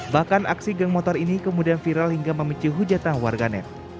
bahkan aksi geng motor ini kemudian viral hingga memicu hujatan warganet